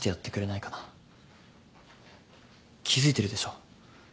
気付いてるでしょ？